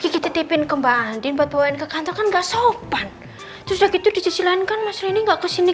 kita tipin kembali buat bawa ke kantor kan gak sopan terus begitu disilankan masih nggak kesini